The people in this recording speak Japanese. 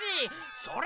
それ！